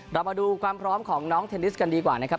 เรามาดูความพร้อมของน้องเทนนิสกันดีกว่านะครับ